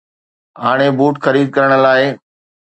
هاڻي بوٽ خريد ڪرڻ لاء.